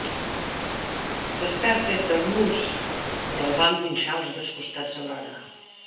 "Desperta't, Dormouse!", i el van punxar als dos costats alhora.